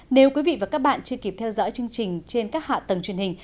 nếu quý vị và các bạn chưa kịp theo dõi chương trình trên các hạ tầng truyền hình